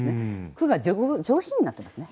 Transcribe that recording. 句が上品になってますね。